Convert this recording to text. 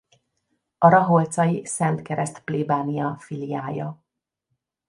A raholcai Szent Kereszt plébánia filiája.